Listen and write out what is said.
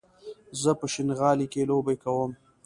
زه په شينغالي کې لوبې کوم